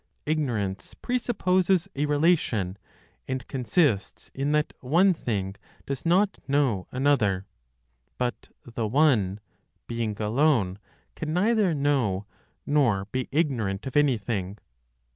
Ignorance presupposes a relation, and consists in that one thing does not know another. But the One, being alone, can neither know nor be ignorant of anything.